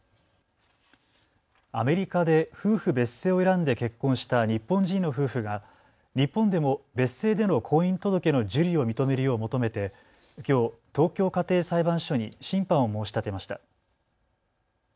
アメリカで夫婦別姓を選んで結婚した日本人の夫婦が日本でも別姓での婚姻届の受理を認めるよう求めてきょう東京家庭裁判所に審判を申し立てました。